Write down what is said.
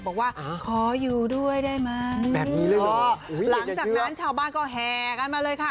บอกว่าขออยู่ด้วยได้ไหมหลังจากนั้นชาวบ้านก็แห่กันมาเลยค่ะ